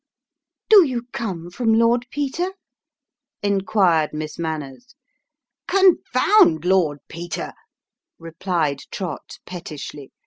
" Do you come from Lord Peter ?" inquired Miss Manners. "Confound Lord Peter," replied Trott pettishly.